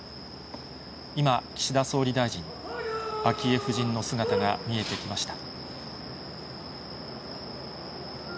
今、岸田総理大臣、昭恵夫人の姿が見えてきました。